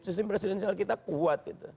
sisi presidenial kita kuat